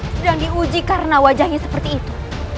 sedang diuji karena wajahnya seperti itu